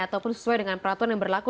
ataupun sesuai dengan peraturan yang berlaku